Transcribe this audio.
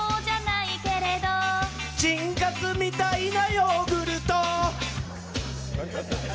ちんかすみたいなヨーグルト。